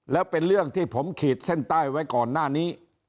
แล้วเป็นเรื่องที่ผมขีดเส้นใต้ไว้ก่อนหน้านี้